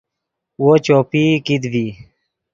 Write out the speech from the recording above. وو چوپئی کیت ڤی